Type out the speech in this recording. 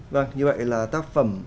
vâng như vậy là tác phẩm